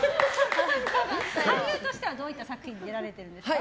俳優としてはどういった作品に出られてるんですか。